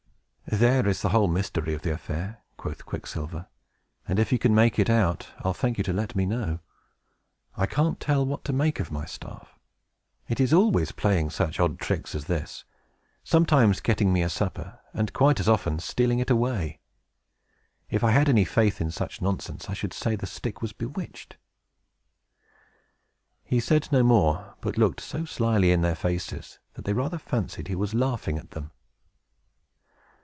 "There is the whole mystery of the affair," quoth Quicksilver; "and if you can make it out, I'll thank you to let me know. I can't tell what to make of my staff. It is always playing such odd tricks as this; sometimes getting me a supper, and, quite as often, stealing it away. If I had any faith in such nonsense, I should say the stick was bewitched!" He said no more, but looked so slyly in their faces, that they rather fancied he was laughing at them.